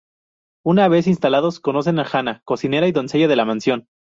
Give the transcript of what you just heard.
Una vez instalados conocen a Hannah, cocinera y doncella de la mansión.